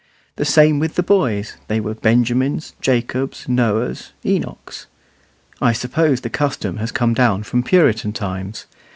The same with the boys: they were Benjamins, Jacobs, Noahs, Enochs. I suppose the custom has come down from Puritan times.